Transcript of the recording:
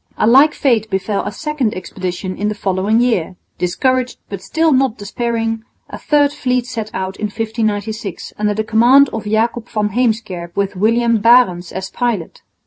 A like fate befell a second expedition in the following year. Discouraged, but still not despairing, a third fleet set out in 1596 under the command of Jacob van Heemskerk with William Barendtsz as pilot.